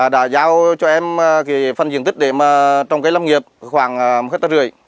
đã giao cho em phần diện tích để trong cái làm nghiệp khoảng một năm khách